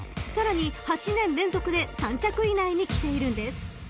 ［さらに８年連続で３着以内にきているんです］